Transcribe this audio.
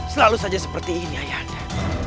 selalu saja seperti ini ayanda